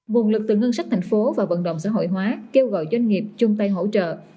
nguồn lực từ ngân sách thành phố và vận động xã hội hóa kêu gọi doanh nghiệp chung tay hỗ trợ